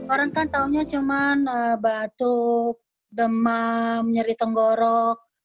orang kan tahunya cuma batuk demam nyeri tenggorok